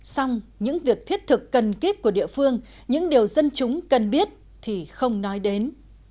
xong những việc thiết thực cần kiếp của địa phương những điều dân chúng cần biết thì không nói đến